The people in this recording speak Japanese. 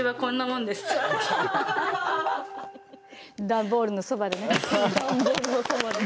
段ボールのそばでね。